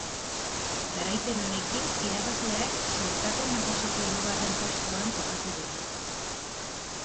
Garaipen honekin, irabazleak sailkapen nagusiko hirugarren postuan kokatu dira.